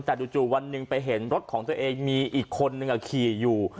แต่จู่วันหนึ่งไปเห็นรถของตัวเองมีอีกคนนึงขี่อยู่